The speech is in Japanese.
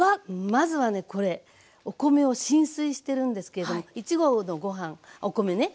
まずはねこれお米を浸水してるんですけれども１合のご飯お米ね。